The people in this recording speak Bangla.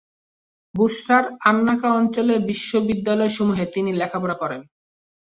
বুসরার আন্নাকা অঞ্চলের বিদ্যালয়সমূহে তিনি লেখাপড়া করেন।